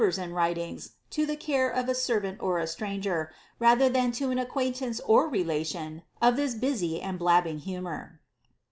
436 OF INQUISITIVENESS and writings to the care of a servant or a stranger, rather than to an acquaintance or relation of this busy and blab bing humor.